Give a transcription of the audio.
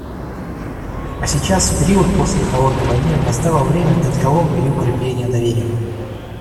А сейчас, в период после «холодной войны», настало время для диалога и укрепления доверия.